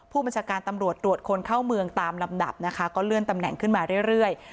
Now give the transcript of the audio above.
ผู้บัญชาการตำรวจตรวจคนเข้าเมืองตามลำดับนะคะก็เลื่อนตำแหน่งขึ้นมาเรื่อย